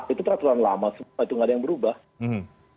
itu peraturan lama semua itu nggak ada yang berubah